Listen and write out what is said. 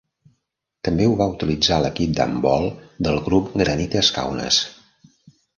També ho va utilitzar l'equip d'handbol del club Granitas Kaunas.